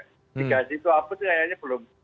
mitigasi itu apa itu kayaknya belum